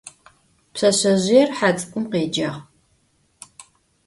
Pşseşsezjıêr he ts'ık'um khêcağ.